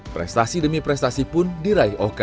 prestasi demi prestasi pun diraih oka